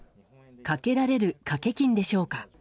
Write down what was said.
かけられるかけ金でしょうか。